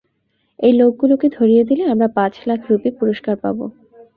এই লোকগুলোকে ধরিয়ে দিলে আমরা পাঁচ লাখ রুপি পুরস্কার পাবো।